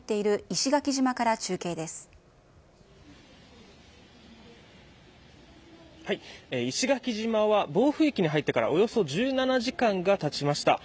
石垣島は暴風域に入ってからおよそ１７時間がたちました